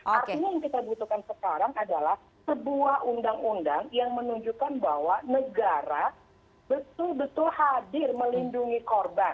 artinya yang kita butuhkan sekarang adalah sebuah undang undang yang menunjukkan bahwa negara betul betul hadir melindungi korban